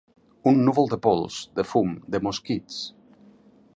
Un núvol de pols, de fum, de mosquits.